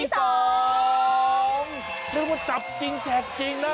เรียกว่าจับจริงแจกจริงนะ